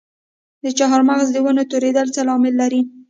د چهارمغز د ونو توریدل څه لامل لري؟